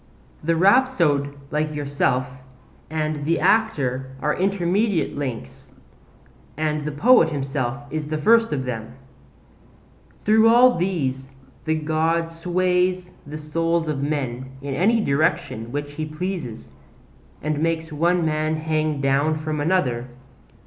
The rhapsode like yourself and the actor are intermediate links, and the poet himself is the first of them. Through all these the God sways the souls of men in any direction which he pleases, and makes one man hang down from another.